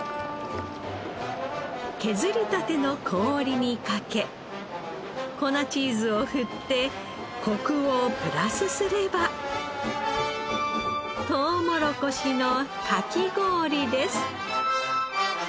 削りたての氷にかけ粉チーズを振ってコクをプラスすればトウモロコシのかき氷です。